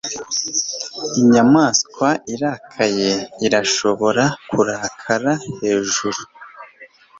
Inyamaswa irakaye irashobora kurakara hejuru